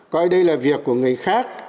coi đây là việc của người khác